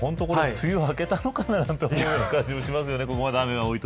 梅雨が明けたのかななんて思う感じがしますよね。